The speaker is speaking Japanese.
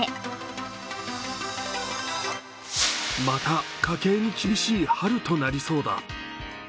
また家計に厳しい春となりそうだ。